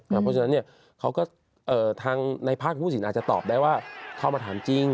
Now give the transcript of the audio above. เพราะฉะนั้นเขาก็ทางในภาคผู้สินอาจจะตอบได้ว่าเข้ามาถามจริง